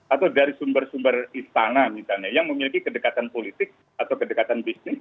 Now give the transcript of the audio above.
atau dari sumber sumber istana misalnya yang memiliki kedekatan politik atau kedekatan bisnis